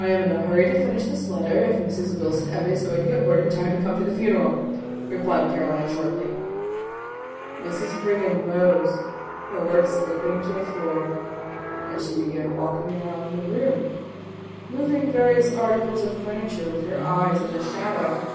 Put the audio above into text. "I am in a hurry to finish this letter, if Mrs. Wilson Ebbit is going to get word in time to come to the funeral," replied Caroline shortly. Mrs. Brigham rose, her work slipping to the floor, and she began walking around the room, moving various articles of furniture, with her eyes on the shadow.